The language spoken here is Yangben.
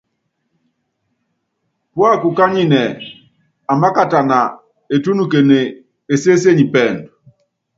Púákukányínɛ́, amákatana, etúnukene, esésenyi pɛɛndu.